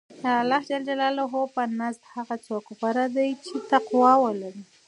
د الله په نزد هغه څوک غوره دی چې تقوی ولري.